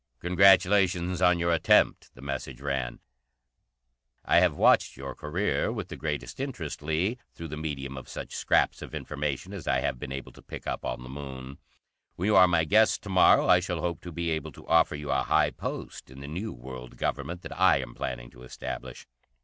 "Congratulations on your attempt," the message ran, "I have watched your career with the greatest interest, Lee, through the medium of such scraps of information as I have been able to pick up on the Moon. When you are my guest to morrow I shall hope to be able to offer you a high post in the new World Government that I am planning to establish.